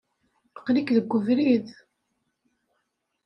Aql-ik deg webrid.